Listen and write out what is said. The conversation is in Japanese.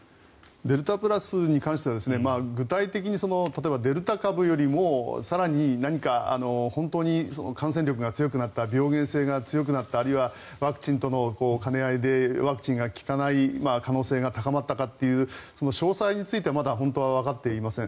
デルタプラスに関しては具体的に例えばデルタ株よりも更に何か本当に感染力が強くなった病原性が強くなったあるいはワクチンとの兼ね合いでワクチンが効かない可能性が高まったかという詳細については本当はわかっていません。